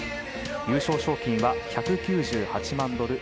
優勝賞金は１９８万ドル